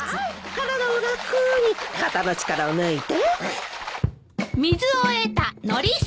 体を楽に肩の力を抜いて。